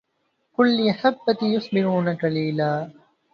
قل للأحبة يصبرون قليلا